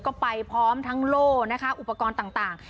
ก็ไปพร้อมทั้งโล่นะคะอุปกรณ์ต่าง